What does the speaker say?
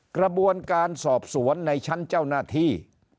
กระบวนการสอบสวนในชั้นเจ้าหน้าที่